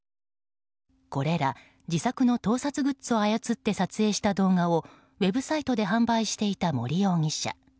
これら自作の盗撮グッズを操って撮影した動画をウェブサイトで販売していた森容疑者。